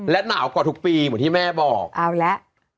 หนาวกว่าทุกปีเหมือนที่แม่บอกเอาแล้ว